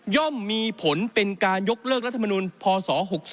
่อมมีผลเป็นการยกเลิกรัฐมนุนพศ๖๒